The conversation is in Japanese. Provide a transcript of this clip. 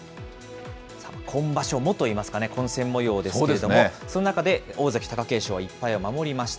今場所もといいますかね、混戦もようですけども、その中で大関・貴景勝は１敗を守りました。